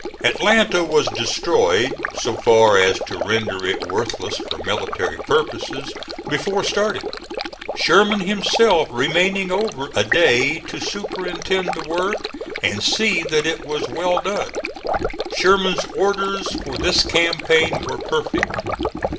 Atlanta was destroyed so far as to render it worthless for military purposes before starting, Sherman himself remaining over a day to superintend the work, and see that it was well done. Sherman's orders for this campaign were perfect.